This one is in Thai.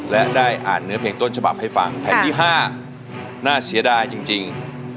และได้อ่านเนื้อเพลงต้นฉบับให้ฟังแผ่นที่๕น่าเสียดายจริง